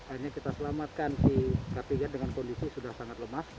akhirnya kita selamatkan si kartija dengan kondisi sudah sangat lemas